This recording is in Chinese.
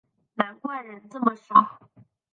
难怪人这么少